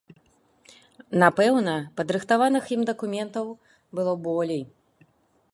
Напэўна, падрыхтаваных ім дакументаў было болей.